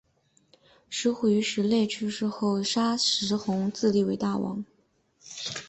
石虎于石勒去世后杀石弘自立为天王。